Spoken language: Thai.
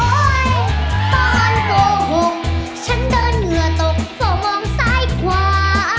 โอ๊ยตอนโกหกฉันเดินเหนือตกเพราะมองซ้ายขวา